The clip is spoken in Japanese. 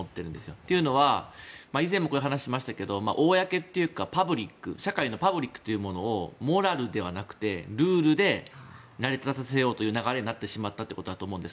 というのは以前もこういう話をしましたが公というか社会のパブリックというものをモラルではなくてルールで成り立たせようという流れになってしまったということだと思うんです。